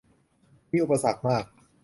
มีอุปสรรคมาก